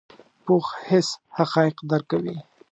پوخ حس حقایق درک کوي